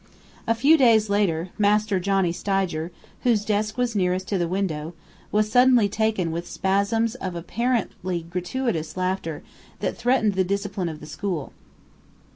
A few days later, Master Johnny Stidger, whose desk was nearest to the window, was suddenly taken with spasms of apparently gratuitous laughter that threatened the discipline of the school.